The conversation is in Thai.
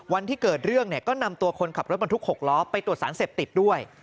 วันที่เกิดเรื่องเนี่ยก็นำตัวคนขับรถบรรทุก๖ล้อไปตรวจสารเสพติดด้วย